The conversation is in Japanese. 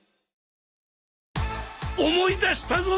思い出したぞ！